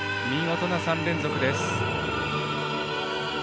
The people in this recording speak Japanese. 見事な３連続です。